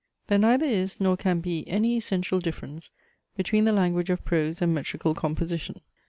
"There neither is nor can be any essential difference between the language of prose and metrical composition."